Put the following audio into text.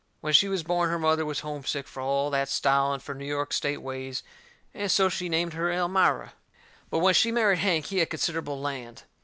When she was born her mother was homesick fur all that style and fur York State ways, and so she named her Elmira. But when she married Hank, he had considerable land.